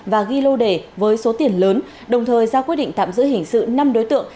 và ghi lô đề với số tiền lớn đồng thời ra quyết định tạm giữ hình sự năm đối tượng